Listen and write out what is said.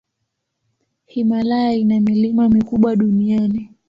Himalaya ina milima mikubwa duniani.